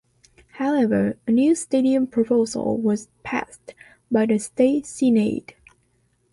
However, a new stadium proposal was passed by the State Senate.